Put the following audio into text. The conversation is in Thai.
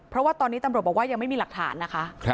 เพราะว่าตอนนี้ตำรวจบอกว่ายังไม่มีหลักฐานนะคะ